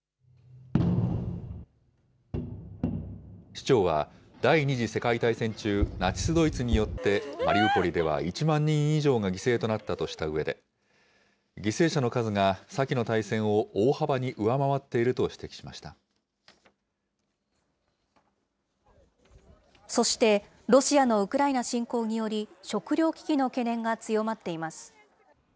市長は、第２次世界大戦中、ナチス・ドイツによってマリウポリでは１万人以上が犠牲となったとしたうえで、犠牲者の数が先の大戦を大幅に上回っていると指摘そして、ロシアのウクライナ侵攻により、食糧危機の懸念が強まっています。